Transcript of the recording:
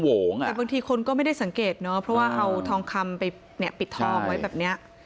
แต่บางทีคนก็ไม่ได้สังเกตเนอะเพราะว่าเอาทองคำไปปิดทองไว้แบบนี้